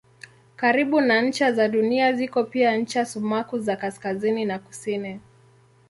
Karibu na ncha za Dunia ziko pia ncha sumaku za kaskazini na kusini.